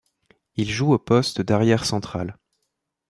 Il joue au poste d'arrière central.